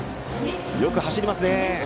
よく走りますね。